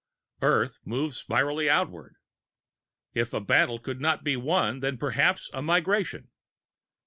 Earth moved spirally outward. If a battle could not be won, then perhaps a migration.